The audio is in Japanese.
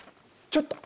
ちょっと！